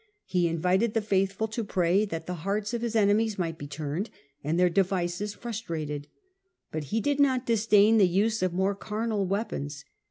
He invited the faithful to pray that the hearts of his enemies might be turned, and their devices frustrated ; but he did not disdain the use of more carnal weapons.